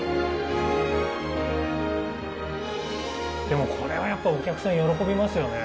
でもこれはやっぱお客さん喜びますよね。